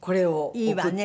いいわね。